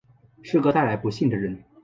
是个带来不幸的人